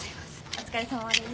お疲れさまです。